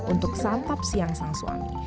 untuk santap siang sang suami